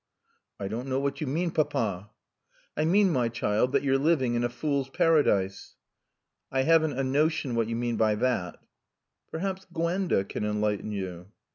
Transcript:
"I don't know what you mean, Papa." "I mean, my child, that you're living in a fool's paradise." "I haven't a notion what you mean by that." "Perhaps Gwenda can enlighten you."